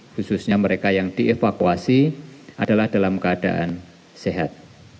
khususnya mereka yang dievakuasi adalah dalam keadaan sehat